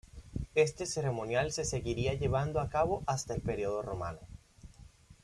Este ceremonial se seguiría llevando a cabo hasta el período romano.